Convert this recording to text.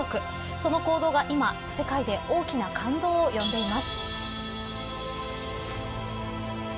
その行動が今、世界で大きな感動を呼んでいます。